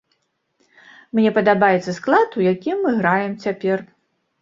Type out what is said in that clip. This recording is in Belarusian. Мне падабаецца склад, у якім мы граем цяпер.